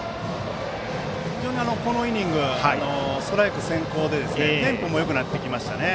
このイニングストライク先行でテンポもよくなってきましたね。